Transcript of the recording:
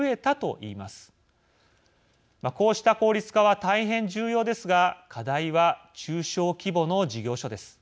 こうした効率化は大変重要ですが課題は中小規模の事業所です。